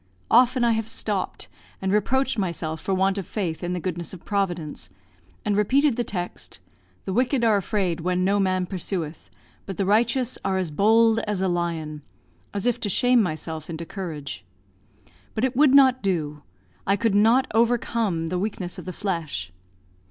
Often have I stopped and reproached myself for want of faith in the goodness of Providence, and repeated the text, "The wicked are afraid when no man pursueth: but the righteous are as bold as a lion," as if to shame myself into courage. But it would not do; I could not overcome the weakness of the flesh.